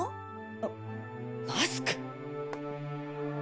あっマスク。